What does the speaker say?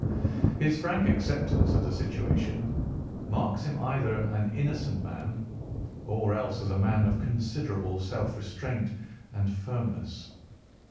His frank acceptance of the situation marks him as either an innocent man, or else as a man of considerable self restraint and firmness.